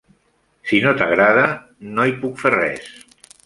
Si no t'agrada, no hi puc fer res.